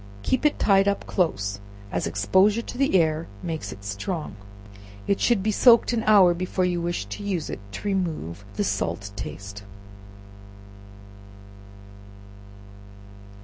Keep it tied up close, as exposure to the air makes it strong. It should be soaked an hour before you wish to use it, to remove the salt taste.